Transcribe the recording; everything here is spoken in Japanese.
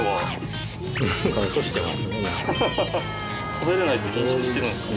食べれないって認識してるんですかね。